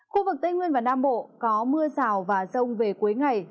khu vực tây nguyên và nam bộ có mưa rào và rông về cuối ngày